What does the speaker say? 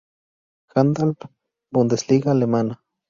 Handball-Bundesliga alemana.